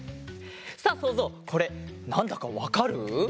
さあそうぞうこれなんだかわかる？